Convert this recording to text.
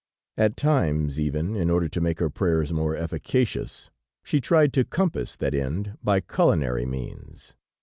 At times even, in order to make her prayers more efficacious, she tried to compass that end by culinary means.